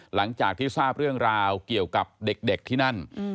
หลังจากที่ทราบเรื่องราวเกี่ยวกับเด็กที่นั่น